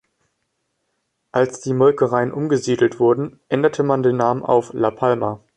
Als die Molkereien umgesiedelt wurden, änderte man den Namen auf La Palma.